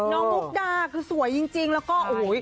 มุกดาคือสวยจริงแล้วก็โอ้โห